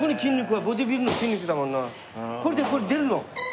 これでこれ出るの？